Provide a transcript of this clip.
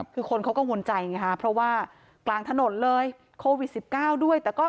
คือคนเขาก็หวนใจนะคะเพราะว่ากลางถนนเลยโควิด๑๙ด้วย